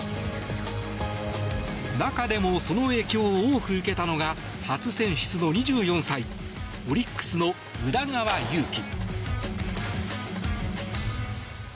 中でもその影響を多く受けたのが初選出の２４歳オリックスの宇田川優希。